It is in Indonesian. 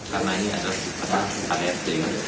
karena ini adalah suatu karyak sejujurnya